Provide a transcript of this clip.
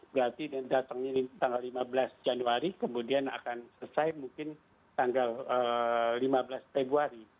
berarti datangnya tanggal lima belas januari kemudian akan selesai mungkin tanggal lima belas februari